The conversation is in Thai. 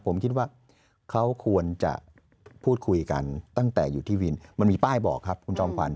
ผมคิดว่าเขาควรจะพูดคุยกันตั้งแต่อยู่ที่วินมันมีป้ายบอกครับคุณจอมขวัญ